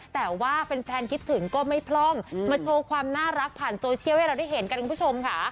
แต่ว่าแฟนคิดถึงก็ไม่พร่องมาโชว์ความน่ารักผ่านโซเชียลให้เราได้เห็นกันคุณผู้ชมค่ะ